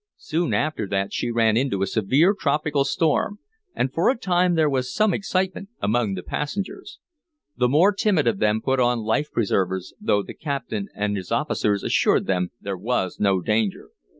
Soon after that she ran into a severe tropical storm, and for a time there was some excitement among the passengers. The more timid of them put on life preservers, though the captain and his officers assured them there was no danger.